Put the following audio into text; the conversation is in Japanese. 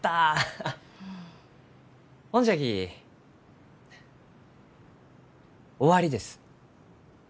ほんじゃきフッ終わりです。